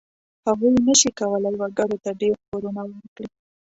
هغوی نشي کولای وګړو ته ډېر پورونه ورکړي.